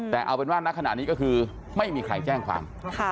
แต่เอาเป็นว่าณขณะนี้ก็คือไม่มีใครแจ้งความ